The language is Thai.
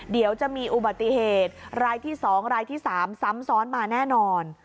เดี๋ยวจะมีอุบัติเหตุรายที่๒รายที่๓ซ้ำซ้อนมาแน่นอน